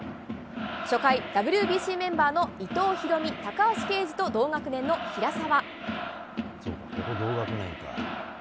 初回、ＷＢＣメンバーの伊藤大海、高橋奎二と同学年の平沢。